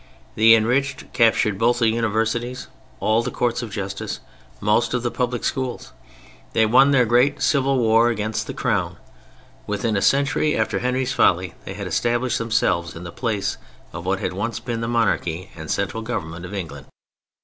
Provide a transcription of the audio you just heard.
The enriched captured both the Universities, all the Courts of Justice, most of the public schools. They won their great civil war against the Crown. Within a century after Henry's folly, they had established themselves in the place of what had once been the monarchy and central government of England.